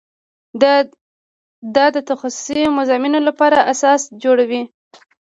دا د تخصصي مضامینو لپاره اساس جوړوي.